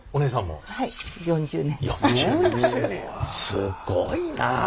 すごいな。